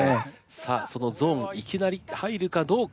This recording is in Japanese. さあそのゾーンいきなり入るかどうか。